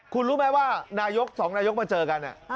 คุณรู้ไหมว่านายกสองนายกมาเจอกัน